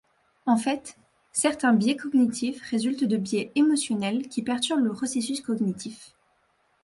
En fait, certains biais cognitifs résultent de biais émotionnels qui perturbent le processus cognitif.